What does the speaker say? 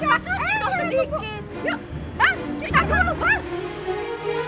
yuk bang kita perlu bar